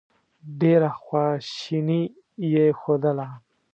ډېره خواشیني یې ښودله.